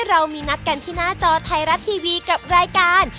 เรามีนัดกันที่หน้าจอไทยรัฐทีวีกับรายการ